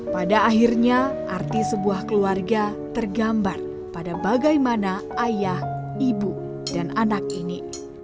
pada akhirnya arti sebuah keluarga tergambar pada bagaimana ayah ibu dan anak ini